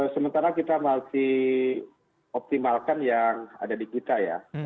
sementara kita masih optimalkan yang ada di kita ya